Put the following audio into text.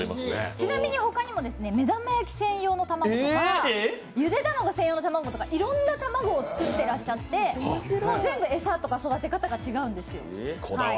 ちなみに他にもめだま焼き専用たまごとか、ゆでたまご専用のたまごとかいろんな卵を作ってらっしゃって全部餌とか育て方が違うんですよ。